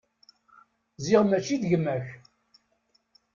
Ziɣ mačči d gma-k.